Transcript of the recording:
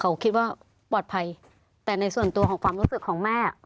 เขาคิดว่าปลอดภัยแต่ในส่วนตัวของความรู้สึกของแม่